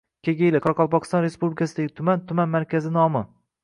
Kegeyli – Qoraqalpog‘iston Respublikasidagi tuman, tuman markazi nomi.